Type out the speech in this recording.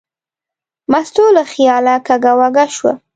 مستو له خیاله کږه وږه شوه.